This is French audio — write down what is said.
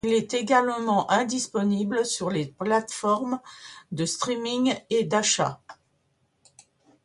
Il est également indisponible sur les plateformes de streaming et d'achat.